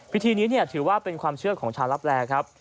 พิธีนี้ถือว่าเป็นความเชื่อของชาวลับแลครับ